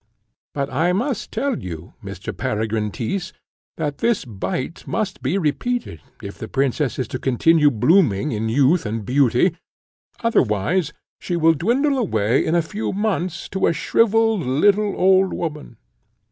But I must tell you, Mr. Peregrine Tyss, that this bite must be repeated if the princess is to continue blooming in youth and beauty; otherwise she will dwindle away in a few months to a shrivelled little old woman.